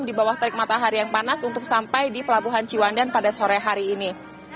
di bawah terik matahari yang panas untuk sampai di pelabuhan ciwandan pada sore hari ini